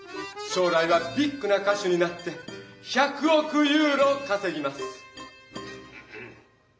しょう来はビッグな歌手になって１００おくユーロかせぎます！